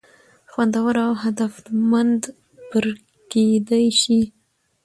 خوندور او هدفمند پر کېدى شي.